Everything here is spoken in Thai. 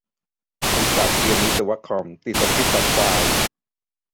ไอสัสเรียนวิศวคอม ติดสคริปดักควาย !